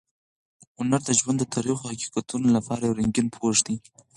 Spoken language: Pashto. هنر د ژوند د تریخو حقیقتونو لپاره یو رنګین پوښ دی.